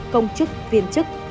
công chức viên chức